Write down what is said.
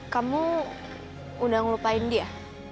kamu udah ngelupain dia